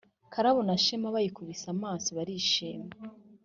Karabo na Shema bayikubise amaso, barishima,